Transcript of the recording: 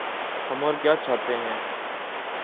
ہم اور کیا چاہتے ہیں۔